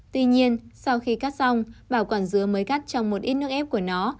tuy nhiên sau khi cắt xong bảo quản dứa mới cắt trong một ít nước ép của nó